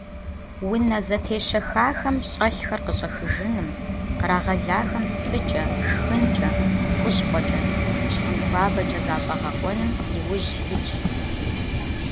Унэ зэтещэхахэм щӀэлъхэр къыщӀэхыжыным, кърагъэлахэм псыкӀэ, шхынкӀэ, хущхъуэкӀэ, щыгъын хуабэкӀэ защӀэгъэкъуэным иужь итщ.